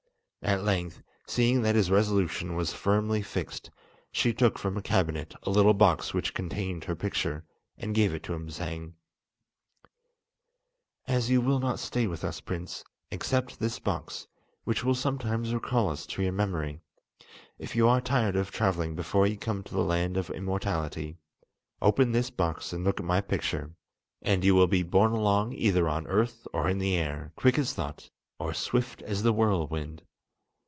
At length, seeing that his resolution was firmly fixed, she took from a cabinet a little box which contained her picture, and gave it to him saying: "As you will not stay with us, prince, accept this box, which will sometimes recall us to your memory. If you are tired of travelling before you come to the Land of Immortality, open this box and look at my picture, and you will be borne along either on earth or in the air, quick as thought, or swift as the whirlwind."